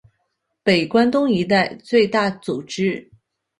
北关东一带最大组织。